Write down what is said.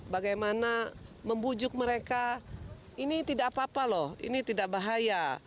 bagaimana membujuk mereka ini tidak apa apa loh ini tidak bahaya